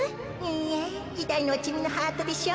いいえいたいのはちみのハートでしょ？